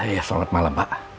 ya selamat malam pak